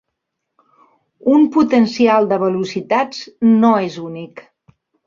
Un potencial de velocitats no és únic.